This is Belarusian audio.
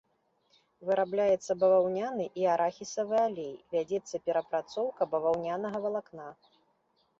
Вырабляецца баваўняны і арахісавы алей, вядзецца перапрацоўка баваўнянага валакна.